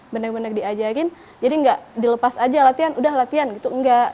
benar benar diajarin jadi nggak dilepas aja latihan udah latihan gitu enggak